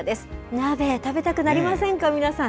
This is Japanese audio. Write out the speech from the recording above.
鍋、食べたくなりませんか、皆さん。